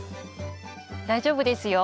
大丈夫ですよ。